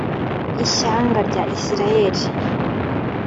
ishyanga rya isirayeli